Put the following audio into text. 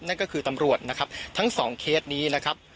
นั่นก็คือตำรวจนะครับทั้งสองเคสนี้นะครับ